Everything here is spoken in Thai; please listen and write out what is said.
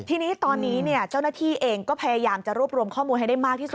ทีนี้ตอนนี้เจ้าหน้าที่เองก็พยายามจะรวบรวมข้อมูลให้ได้มากที่สุด